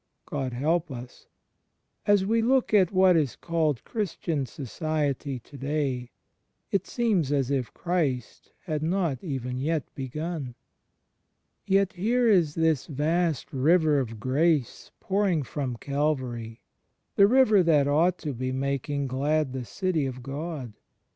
... God help us! As we look at what is called Christian Society to day, it seems as if Christ had not even yet begun. Yet here is this vast river of grace pouring from Calvary, the river that ought to be making glad the City of God.